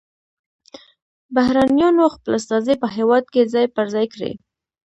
بهرنیانو خپل استازي په هیواد کې ځای پر ځای کړي